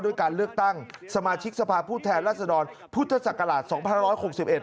การเลือกตั้งสมาชิกสภาพผู้แทนรัศดรพุทธศักราชสองพันร้อยหกสิบเอ็